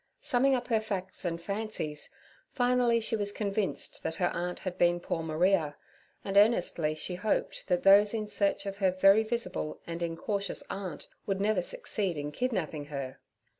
Summing up her facts and fancies finally, she was convinced that her aunt had been poor Maria, and earnestly she hoped that those in search of her very visible and incautious aunt would never succeed in kidnapping her.